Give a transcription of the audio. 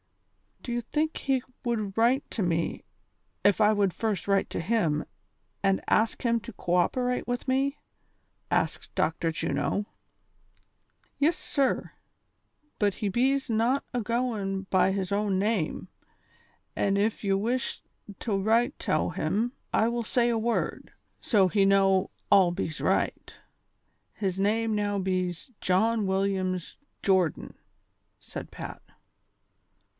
" Do you think he would write to me if I would first write to him and ask him to co operate witli me V " asked Dr. Juno. " Yis, sir ; but he bees not agoin' be his own name, an' ef ye wish tow write tow him, I will say a word, so he know all bees right. His name now bees John Williams Jordan, " said Pat.